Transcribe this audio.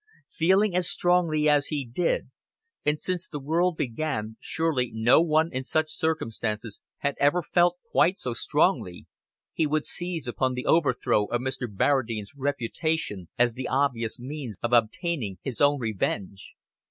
Feeling as strongly as he did and since the world began, surely no one in such circumstances had ever felt quite so strongly he would seize upon the overthrow of Mr. Barradine's reputation as the obvious means of obtaining his own revenge.